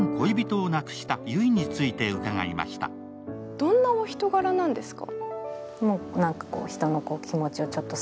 どんなお人柄なんですか？